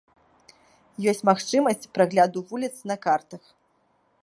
Ёсць магчымасць прагляду вуліц на картах.